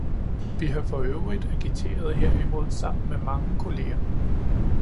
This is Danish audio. Vi har for øvrigt agiteret herimod sammen med mange kolleger.